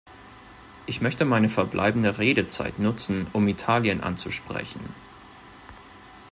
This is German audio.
Ich möchte meine verbleibende Redezeit nutzen, um Italien anzusprechen.